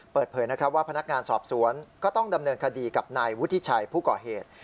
เปิดเผยนะครับว่าพนักงานสอบสวนก็ต้องดำเนินคดีกับนายวุฒิชัยผู้ก่อเหตุ